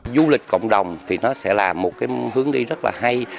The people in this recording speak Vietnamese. du lịch cộng đồng thì nó sẽ là một cái hướng đi rất là hay